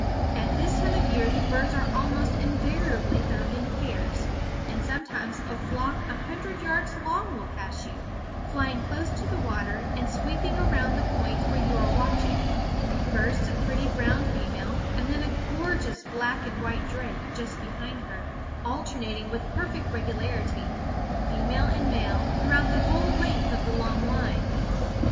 At this time of year the birds are almost invariably found in pairs, and sometimes a flock a hundred yards long will pass you, flying close to the water and sweeping around the point where you are watching, first a pretty brown female and then a gorgeous black and white drake just behind her, alternating with perfect regularity, female and male, throughout the whole length of the long line.